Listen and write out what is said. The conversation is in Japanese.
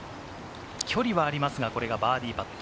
距離はありますが、これがバーディーパット。